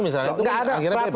misalnya itu akhirnya berubah